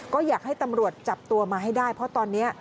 ก็อยากให้ตำรวจจับตัวมาให้ได้เพราะตอนนี้